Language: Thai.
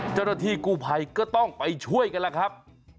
เจ้าหน้าที่กู้ภัยก็ต้องไปช่วยกันแล้วครับ